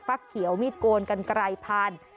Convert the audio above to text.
ฟักเขียวมีดโกนกันไกรพาน